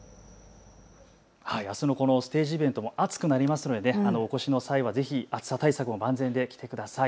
あすのこのステージイベントも暑くなるのでお越しの際はぜひ暑さ対策を万全で来てください。